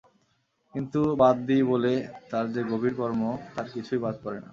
কিন্তু বাদ দিই বলে তার যে গভীর কর্ম তার কিছুই বাদ পড়ে না।